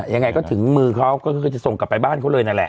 ยังไงก็ถึงมือเขาก็คือจะส่งกลับไปบ้านเขาเลยนั่นแหละ